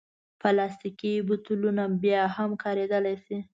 پلاستيکي بوتلونه بیا هم کارېدلی شي.